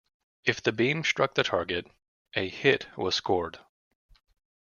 If the beam struck the target, a "hit" was scored.